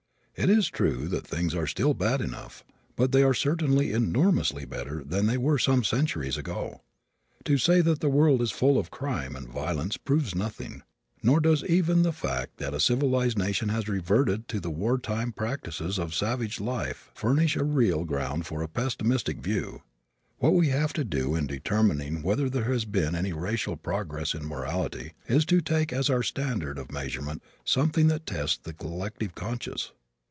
It is true that things are still bad enough but they are certainly enormously better than they were some centuries ago. To say that the world is full of crime and violence proves nothing; nor does even the fact that a civilized nation has reverted to the wartime practices of savage life furnish real ground for a pessimistic view. What we have to do in determining whether there has been any racial progress in morality is to take as our standard of measurement something that tests the collective conscience.